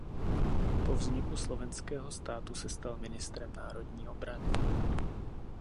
Po vzniku slovenského státu se stal ministrem národní obrany.